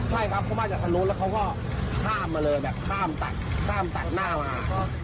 ใช่ครับเขามาจากทางนู้นแล้วเขาก็ข้ามมาเลยแบบข้ามตัดข้ามตัดหน้ามา